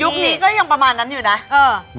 นี้ก็ยังประมาณนั้นอยู่นะเออ